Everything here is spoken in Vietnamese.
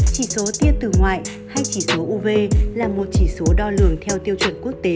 chỉ số tia từ ngoại hay chỉ số uv là một chỉ số đo lường theo tiêu chuẩn quốc tế